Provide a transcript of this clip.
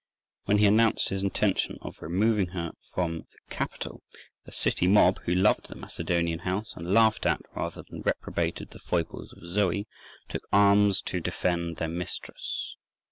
When he announced his intention of removing her from the capital, the city mob, who loved the Macedonian house, and laughed at rather than reprobated the foibles of Zoe, took arms to defend their mistress.